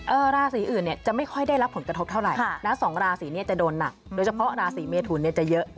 ราศีอื่นเนี่ยจะไม่ค่อยได้รับผลกระทบเท่าไหร่นะสองราศีเนี่ยจะโดนหนักโดยเฉพาะราศีเมทุนเนี่ยจะเยอะ